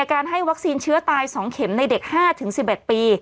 การให้วัคซีนเชื้อตาย๒เข็มในเด็ก๕๑๑ปี